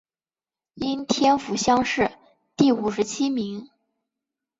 应天府乡试第五十七名。